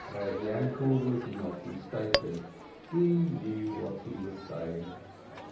Reb Yainkel was not mistaken, he knew what he was saying.